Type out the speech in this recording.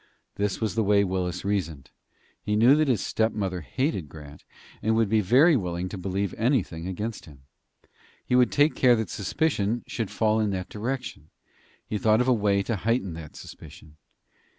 This was the way Willis reasoned. He knew that his stepmother hated Grant, and would be very willing to believe anything against him. He would take care that suspicion should fall in that direction. He thought of a way to heighten that suspicion.